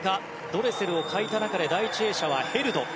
ドレセルを変えた中で第１泳者はヘルド。